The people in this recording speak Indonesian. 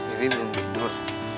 ini belum tidur